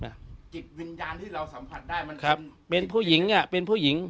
จิตวิญญาณที่เราสัมผัสได้มันคือเป็นผู้หญิงอ่ะเป็นผู้หญิง